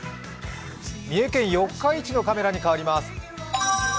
三重県四日市のカメラに変わります。